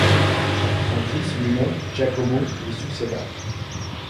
Son fils, mineur, Giacomo lui succéda.